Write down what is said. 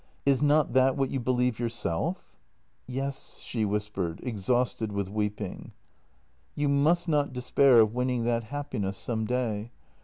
Is not that what you believe yourself? "" Yes," she whispered, exhausted with weeping. " You must not despair of winning that happiness some day.